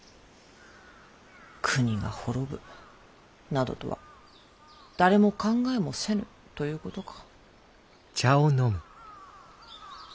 国が滅ぶなどとは誰も考えもせぬということか。